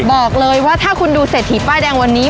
บอกเลยว่าถ้าคุณดูเศรษฐีป้ายแดงวันนี้